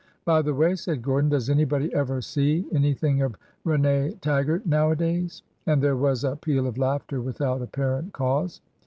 '' By the way," said Gordon, does anybody ever see anything of Rene Taggart nowadays?" and there was a peal of laughter without apparent cause.